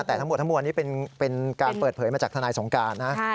แต่ทั้งหมดทั้งมวลนี้เป็นการเปิดเผยมาจากทนายสงการนะ